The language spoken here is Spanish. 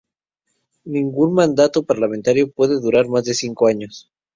Ningún mandato parlamentario puede durar más de cinco años.